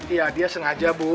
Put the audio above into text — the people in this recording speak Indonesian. iya dia sengaja bu